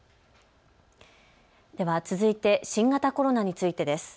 では続いて新型コロナについてです。